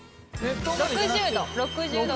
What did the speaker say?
６０度。